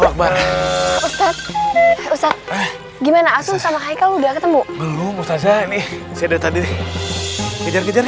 akbar ustadz ustadz gimana asuh sama kaikal udah ketemu belum saya ini sedetan ini kejar kejar